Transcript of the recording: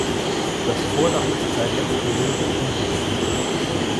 Das Vordach ist seit letztem Winter undicht.